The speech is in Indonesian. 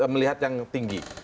melihat yang tinggi